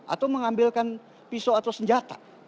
atau mengambilkan pisau atau senjata